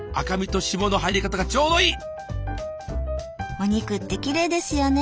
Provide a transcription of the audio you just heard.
お肉ってきれいですよね。